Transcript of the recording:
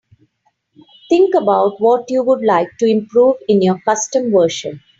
Think about what you would like to improve in your custom version.